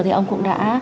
thì ông cũng đã